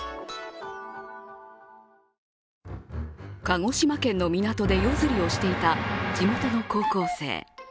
鹿児島県の港で夜釣りをしていた地元の高校生。